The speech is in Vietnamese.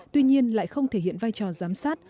tuy nhiên lại không thể hiện vai trò giám sát